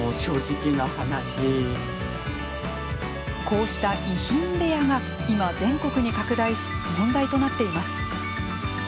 こうした「遺品部屋」が今、全国に拡大し問題となっています。